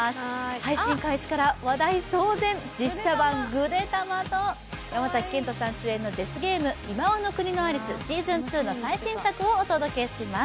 配信開始から話題騒然、実写版「ぐでたま」と山崎賢人さん主演の「今際の国のアリス」、シーズン２の最新作をお届けします。